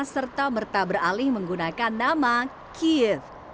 serta merta beralih menggunakan nama kiev